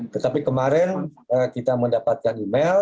tetapi kemarin kita mendapatkan email